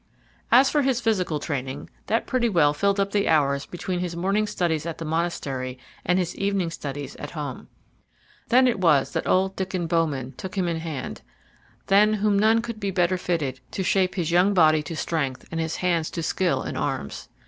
As for his physical training, that pretty well filled up the hours between his morning studies at the monastery and his evening studies at home. Then it was that old Diccon Bowman took him in hand, than whom none could be better fitted to shape his young body to strength and his hands to skill in arms.